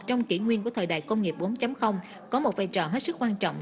trong kỷ nguyên của thời đại công nghiệp bốn có một vai trò hết sức quan trọng